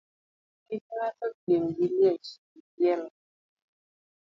Kik ng'ato piem gi liech e pielo.